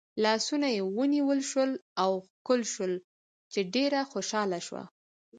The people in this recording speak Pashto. لاسونه یې ونیول شول او ښکل شول چې ډېره خوشحاله شوه.